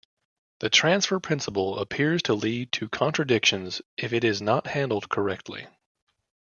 The transfer principle appears to lead to contradictions if it is not handled correctly.